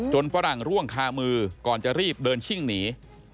ฝรั่งร่วงคามือก่อนจะรีบเดินชิ่งหนี